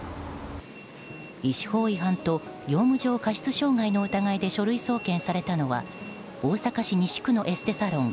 医師法違反と業務上過失致傷の疑いで書類送検されたのは大阪市西区のエステサロン